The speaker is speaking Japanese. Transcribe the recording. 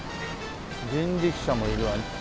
人力車もいるわ。